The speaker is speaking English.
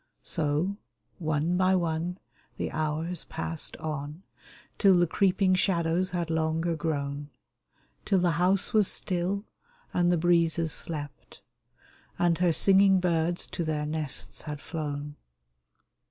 So, one by one, the hours passed on Till the creeping shadows had longer grown ; Till the house was still, and the breezes slept. And her singing birds to their nests had flown.